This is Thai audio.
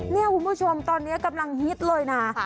นี่คุณผู้ชมตอนนี้กำลังฮิตเลยนะ